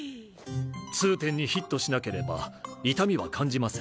痛点にヒットしなければ痛みは感じません。